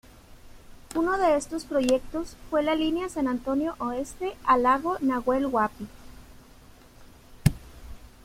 Uno de estos proyectos fue la línea San Antonio Oeste a Lago Nahuel Huapi.